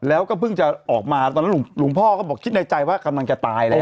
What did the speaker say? แล้วก็เพิ่งจะออกมาตอนนั้นหลวงพ่อก็บอกคิดในใจว่ากำลังจะตายแล้ว